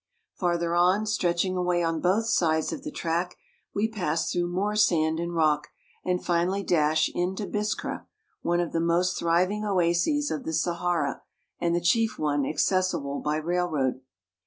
Farther on, stretching away on both sides of the track, we pass through more sand and rock, and finally dash into Biskra, one of the most thriving oases of the Sahara and the chief one accessible by railroad.